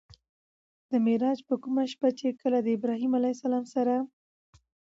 د معراج په کومه شپه چې کله د ابراهيم عليه السلام سره